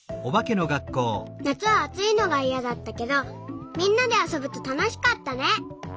なつはあついのがいやだったけどみんなであそぶとたのしかったね。